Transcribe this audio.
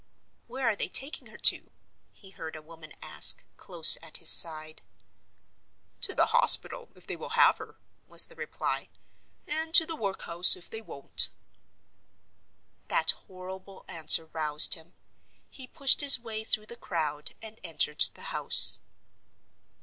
"Where are they taking her to?" he heard a woman ask, close at his side. "To the hospital, if they will have her," was the reply. "And to the work house, if they won't." That horrible answer roused him. He pushed his way through the crowd and entered the house.